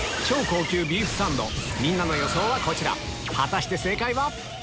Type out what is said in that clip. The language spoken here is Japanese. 超高級ビーフサンドみんなの予想はこちら果たして正解は？